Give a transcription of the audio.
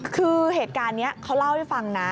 คือเหตุการณ์นี้เขาเล่าให้ฟังนะ